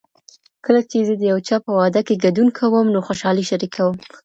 کله چې زه د یو چا په واده کې ګډون کوم نو خوشالي شریکوم.